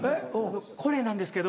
これなんですけど。